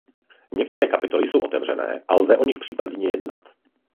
Některé kapitoly jsou otevřené a lze o nich případně jednat.